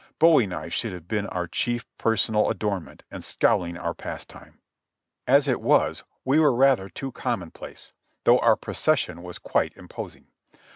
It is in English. Bowie knives should have been our chief personal adornment, and scowling our pastime. As it was we were rather too commonplace, though our pro cession was quite imposing.